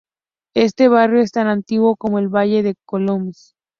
Este barrio es tan antiguo como el Valle de los Colonos.